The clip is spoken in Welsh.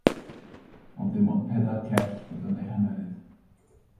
Ond dim ond pedair cell oedd yn eu hymennydd.